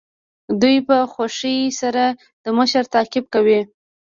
دوی په خوښۍ سره د مشر تعقیب کوي.